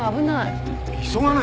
急がないと！